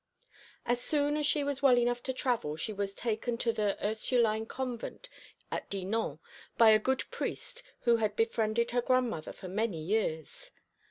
As soon as she was well enough to travel she was taken to the Ursuline convent at Dinan by a good priest who had befriended her grandmother for many years.